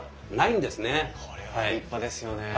これは立派ですよね。